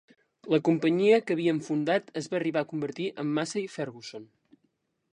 La companyia que havien fundat es va arribar a convertir en Massey Ferguson.